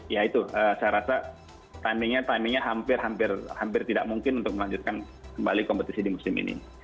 ya itu saya rasa timingnya timingnya hampir hampir tidak mungkin untuk melanjutkan kembali kompetisi di musim ini